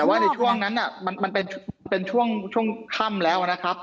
แต่ว่าในช่วงนั้นมันเป็นช่วงค่ำแล้วนะครับ